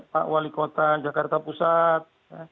pak wali kota jakarta pusat